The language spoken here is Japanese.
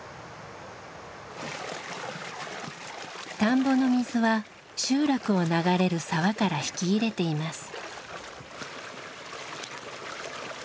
田んぼの水は集落を流れる沢から引き入れています。